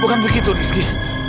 bukan begitu rizky